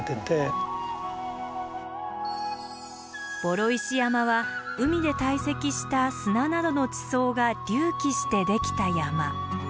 双石山は海で堆積した砂などの地層が隆起してできた山。